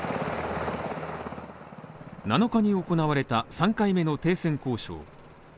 ７日に行われた３回目の停戦交渉。